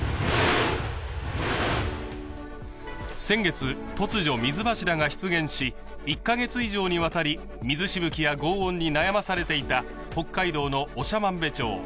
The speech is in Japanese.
先月、突如、水柱が出現し１か月以上にわたり水しぶきやごう音に悩まされていた北海道の長万部町。